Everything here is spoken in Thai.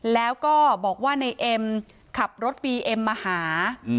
แล้วก็บอกว่าในเอ็มขับรถบีเอ็มมาหา